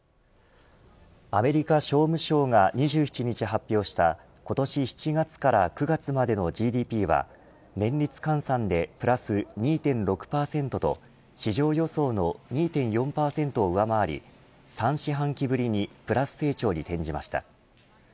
アメリカ商務省が２７日発表した今年７月から９月までのＧＤＰは年率換算でプラス２．６％と市場予想の２．４％を上回り３四半期ぶりにプラス成長に転じました。